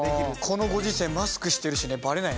このご時世マスクしてるしねバレない。